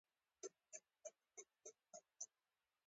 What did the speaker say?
بېنډۍ د وطن د پخلنځي رنگیني ده